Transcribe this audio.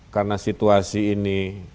karena situasi ini